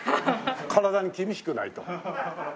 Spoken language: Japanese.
体に厳しくないと。